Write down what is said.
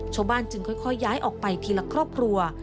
ชาวบ้านจึงค่อยย้ายออกไปทีละครอบครัว